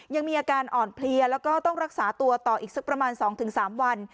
ยังมีอาการอ่อนเพลียแล้วก็ต้องรักษาตัวต่ออีกสักประมาณ๒๓วัน